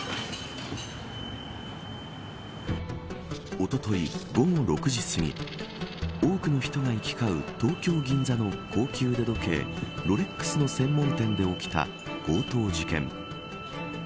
おととい午後６時すぎ多くの人が行き交う、東京銀座の高級腕時計ロレックスの専門店で起きた強盗事件。